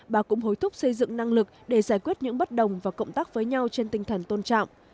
bà cũng hối thúc xây dựng năng lực để giải quyết những bất đồng và cộng tác với nhau trên tinh thần tôn trọng